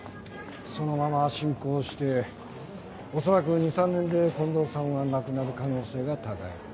そのまま進行して恐らく２３年で近藤さんは亡くなる可能性が高い。